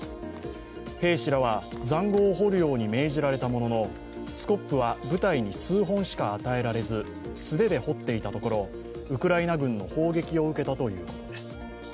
兵士らはざんごうを掘るように命じられたもののスコップは部隊に数本しか与えられず素手で掘っていたところウクライナ軍の砲撃を受けたということです。